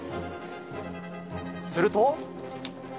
すると。